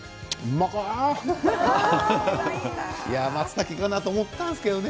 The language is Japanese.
まつたけかなと思ったんですけれどね。